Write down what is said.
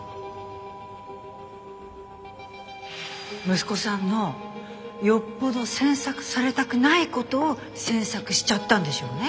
息子さんのよっぽど詮索されたくないことを詮索しちゃったんでしょうね。